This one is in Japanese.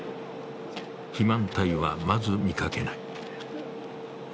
肥満体はまず見かけない。